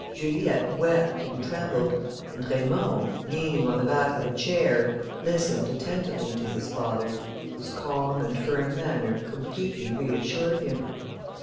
Juliette wept and trembled, and Raymond, leaning on the back of a chair, listened attentively to his father, whose calm and firm manner completely reassured him.